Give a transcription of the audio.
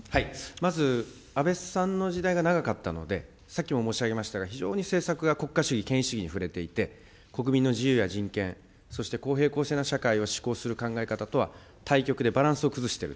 まず安倍さんの時代が長かったので、さっきも申し上げましたが、非常に政策が国家主義、権威主義に触れていて、国民の自由や人権、そして公平、公正な社会を施行する考え方とは対極でバランスを崩している。